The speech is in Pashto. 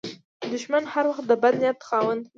دښمن هر وخت د بد نیت خاوند وي